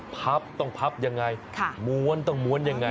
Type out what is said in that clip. พับต้องพับยังไงม้วนต้องม้วนยังไง